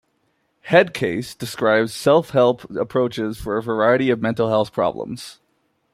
"Head Case" describes self-help approaches for a variety of mental health problems.